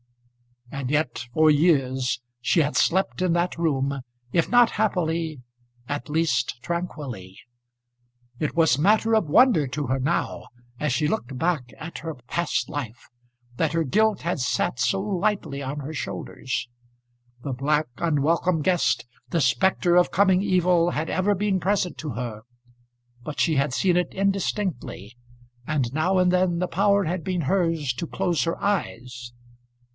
And yet for years she had slept in that room, if not happily at least tranquilly. It was matter of wonder to her now, as she looked back at her past life, that her guilt had sat so lightly on her shoulders. The black unwelcome guest, the spectre of coming evil, had ever been present to her; but she had seen it indistinctly, and now and then the power had been hers to close her eyes.